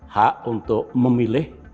hak untuk memilih